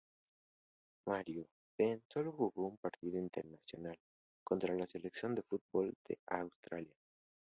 Mario Been sólo jugó un partido internacional contra la Selección de fútbol de Austria.